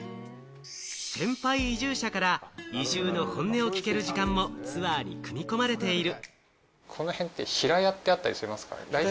先輩移住者から移住の本音を聞ける時間もツアーに組み込まれている。